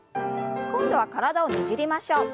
今度は体をねじりましょう。